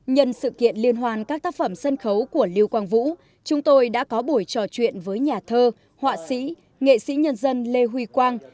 nhân sự kiện liên hoan các tác phẩm sân khấu của lưu quang vũ chúng tôi đã có buổi trò chuyện với nhà thơ họa sĩ nghệ sĩ nhân dân lê huy quang